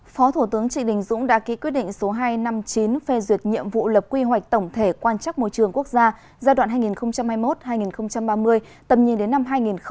phó thủ tướng trị đình dũng đã ký quyết định số hai trăm năm mươi chín phê duyệt nhiệm vụ lập quy hoạch tổng thể quan chắc môi trường quốc gia giai đoạn hai nghìn hai mươi một hai nghìn ba mươi tầm nhìn đến năm hai nghìn năm mươi